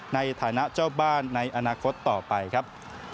ในฐานะเจ้าบ้านในอนาคตต่อไปครับ